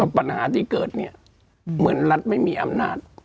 ปัญหาที่เกิดเนี่ยเหมือนรัฐไม่มีอำนาจ